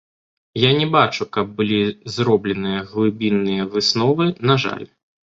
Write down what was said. Я не бачу, каб былі зробленыя глыбінныя высновы, на жаль.